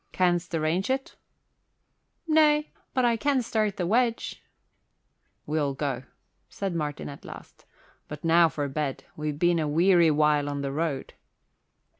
"Can'st arrange it?" "Nay. But I can start the wedge." "We'll go," said Martin at last. "But now for bed. We've been a weary while on the road."